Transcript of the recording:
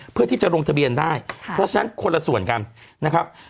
เพื่อที่จะลงทะเบียนได้เพราะฉะนั้นคนละส่วนกันนะครับ